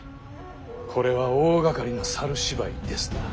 これは大がかりな猿芝居ですな。